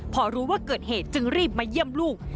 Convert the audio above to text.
พอรู้ว่าเกิดเหตุจึงรีบมาเยี่ยมลูก